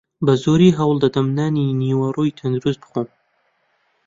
بەزۆری هەوڵدەدەم نانی نیوەڕۆی تەندروست بخۆم.